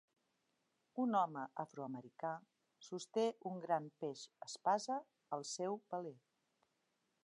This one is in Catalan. Un home afroamericà sosté un gran peix espasa al seu veler.